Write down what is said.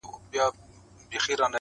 انساني حقونه تر پښو للاندي کيږي-